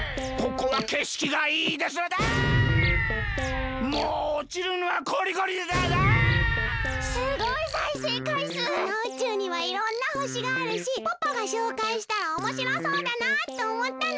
この宇宙にはいろんなほしがあるしパパがしょうかいしたらおもしろそうだなとおもったの！